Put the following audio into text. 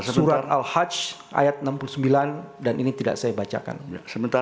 surat al hajj ayat enam puluh sembilan dan ini tidak saya bacakan